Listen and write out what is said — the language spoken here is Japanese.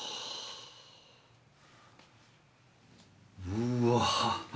うわ。